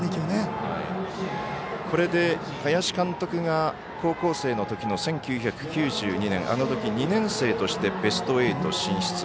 これで林監督が高校生のときの１９９２年あのとき２年生としてベスト８進出。